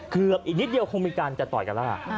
เกือบอีกนิดเดียวคงมีการจะต่อยกันแล้ว